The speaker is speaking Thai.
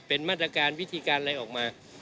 เป็นมาตรการวิธีการอะไรออกมา